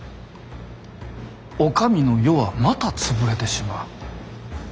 お上の世はまた潰れてしまう。